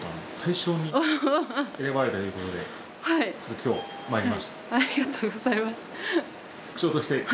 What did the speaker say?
今日まいりました。